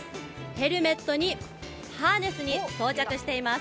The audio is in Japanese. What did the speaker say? ヘルメットにハーネスを装着しています。